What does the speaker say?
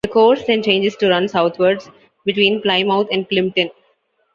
The course then changes to run southwards, between Plymouth and Plympton.